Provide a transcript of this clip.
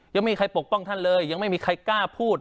ยังไม่มีใครปกป้องท่านเลยยังไม่มีใครกล้าพูด